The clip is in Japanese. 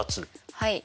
はい。